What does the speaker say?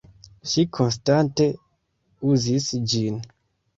Ŝi konstante uzis ĝin.